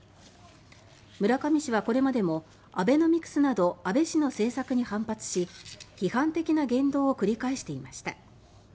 村上氏はこれまでもアベノミクスなど安倍氏の政策に反発し批判的な言動を繰り返していました。